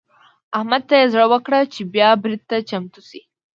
احمد ته يې زړه ورکړ چې بيا برید ته چمتو شي.